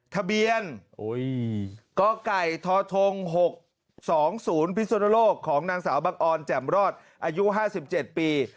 ทะเบียนกไก่ทท๖๒๐พิสุนโลกของนางสาวบังออนแจ่มรอดอายุ๕๗ปี